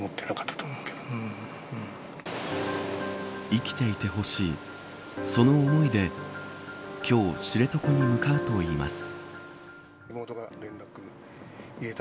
生きていてほしいその思いで今日、知床に向かうといいます。